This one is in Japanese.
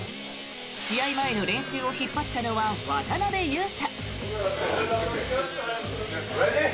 試合前の練習を引っ張ったのは渡邊雄太。